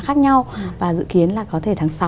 khác nhau và dự kiến là có thể tháng sáu